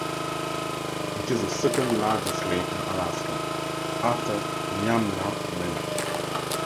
It is the second largest lake in Alaska after Iliamna Lake.